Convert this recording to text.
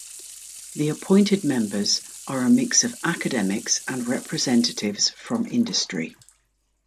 The appointed members are a mix of academics and representatives from industry.